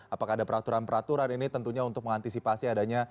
apakah ada peraturan peraturan ini tentunya untuk mengantisipasi adanya